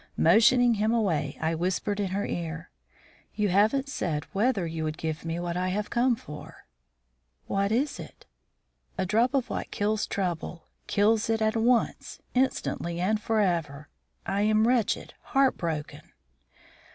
Motioning him away, I whispered in her ear: "You haven't said whether you would give me what I have come for." "What is that?" "A drop of what kills trouble; kills it at once, instantly, and forever. I am wretched, heartbroken."